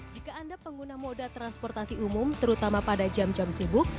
jika anda pengguna moda transportasi umum terutama pada jam jam sibuk